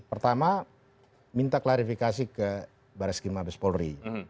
pertama minta klarifikasi ke baris kimabes polri